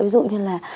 ví dụ như là